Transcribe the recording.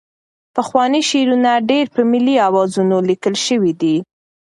پخواني شعرونه ډېری په ملي اوزانو لیکل شوي دي.